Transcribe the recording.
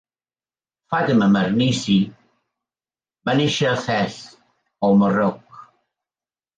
Fatema Mernissi va néixer a Fes, el Marroc.